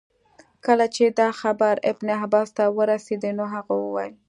کله چي دا خبر ابن عباس ته ورسېدی نو هغه وویل.